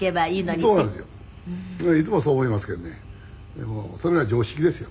「でもそれが常識ですよ。